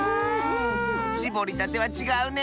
しぼりたてはちがうね。